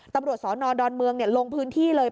ตำรวจสนดอนเมืองลงพื้นที่เลย